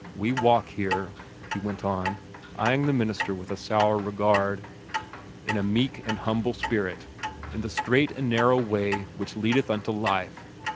"We walk here," he went on, eying the minister with a sour regard, "in a meek an' humble spirit, in the straight an' narrow way which leadeth unto life.